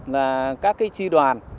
là các cái tri đoàn